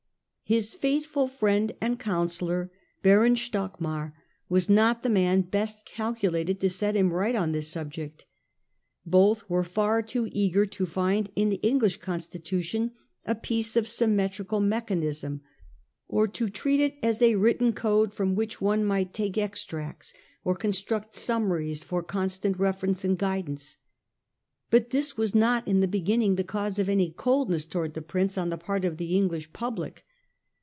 His faithful friend and counsellor, Baron Stockman, was not the man best calculated to set him right on this subject. Both were far too eager to find in the English Consti tution a piece of symmetrical mechanism, or to treat it as a written code from which one might take ex tracts or construct summaries for constant reference and guidance. But this was not in the beginni n g the cause of any coldness towards the Prince on the part of the English public.